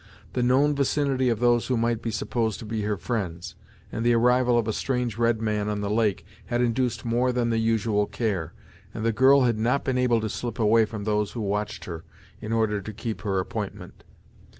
The known vicinity of those who might be supposed to be her friends, and the arrival of a strange red man on the lake had induced more than the usual care, and the girl had not been able to slip away from those who watched her in order to keep her appointment.